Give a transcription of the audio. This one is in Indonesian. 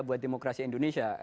buat demokrasi indonesia